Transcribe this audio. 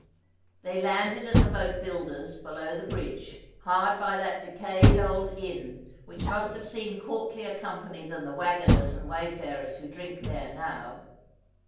They landed at the boat builder's below the bridge, hard by that decayed old inn which must have seen courtlier company than the waggoners and wayfarers who drink there now.